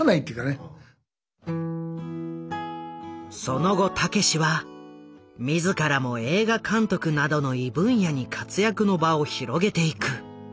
その後たけしは自らも映画監督などの異分野に活躍の場を広げていく。